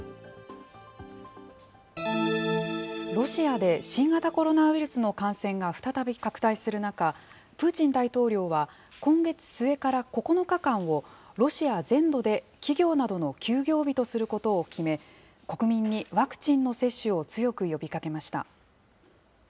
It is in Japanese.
ロシアで新型コロナウイルスの感染が再び拡大する中、プーチン大統領は今月末から９日間を、ロシア全土で企業などの休業日とすることを決め、国民にワクチンの接種を強く呼びかけました。